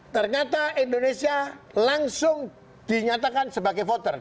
ternyata indonesia langsung dinyatakan sebagai voter